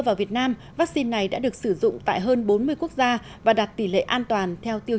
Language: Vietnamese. vào việt nam vaccine này đã được sử dụng tại hơn bốn mươi quốc gia và đạt tỷ lệ an toàn theo tiêu